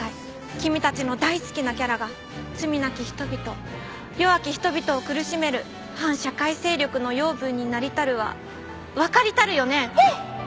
君たちの大好きなキャラが罪なき人々弱き人々を苦しめる反社会勢力の養分になりたるはわかりたるよね？